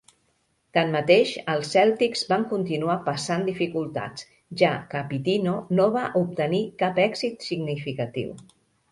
Tanmateix, els Celtics van continuar passant dificultats, ja que Pitino no va obtenir cap èxit significatiu.